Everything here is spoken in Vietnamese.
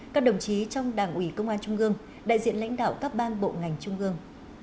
các đồng chí trong đảng ủy công an trung ương đại diện lãnh đạo các ban bộ ngành trung ương